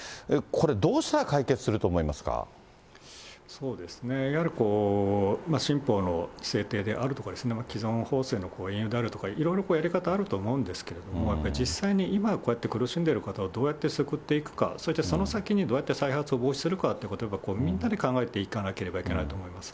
これ、どうしたら解決すると思いそうですね、やはり新法の制定であるとか、既存法制のであるとか、いろいろやり方あると思うんですけど、やっぱり実際に今、こうやって苦しんでいる方をどうやって救っていくか、そしてその先にどうやって再発を防止するか、みんなで考えていかなければいけないと思います。